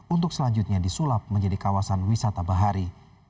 untuk selanjutnya disulap menjadi kawasan wisata bahari